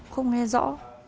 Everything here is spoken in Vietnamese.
không nghe rõ